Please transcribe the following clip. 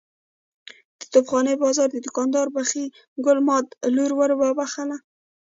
د توپ خانې بازار دوکاندار بخۍ ګل ماد لور ور وبخښله.